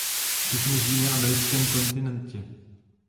Všichni žijí na americkém kontinentě.